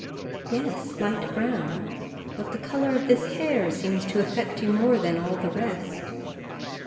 "Yes, light brown; but the colour of this hair seems to affect you more than all the rest."